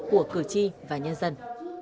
của cử tri và nhân dân